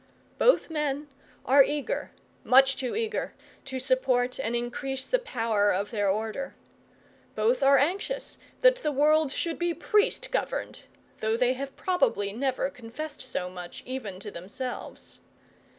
Both men are eager, much too eager, to support and increase the power of their order. Both are anxious that the world should be priest governed, though they have probably never confessed as much, even to themselves.